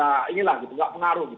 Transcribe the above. enggak inilah gitu enggak pengaruh gitu